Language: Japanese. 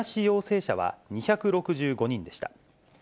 陽性者は２６５人でした。